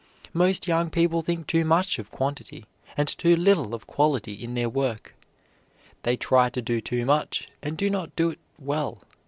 Most young people think too much of quantity, and too little of quality in their work. They try to do too much, and do not do it well.